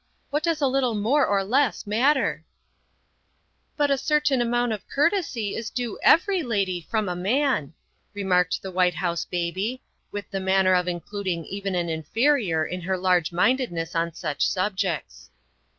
What does a little more or less matter ?''" But a certain amount of courtesy is due every lady from a man," remarked the White House Baby, with the manner of including even an inferior in her large mindedness on such subjects.